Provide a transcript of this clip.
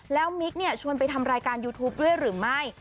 แล้วมิ๊กเนี่ยชวนไปทำรายการยูทูปด้วยหรือไม่